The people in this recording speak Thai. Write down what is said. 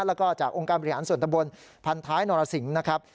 แล้วก็จากองค์การบริหารส่วนตะบนพันท้ายนรสิงศ์นะครับ